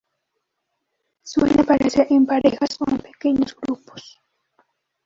Suele aparecer en parejas o en pequeños grupos.